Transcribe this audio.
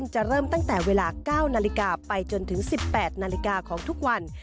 จะเริ่มตั้งแต่เวลา๙นาฬิกาไปจนถึง๑๘นาฬิกาของทุกวัน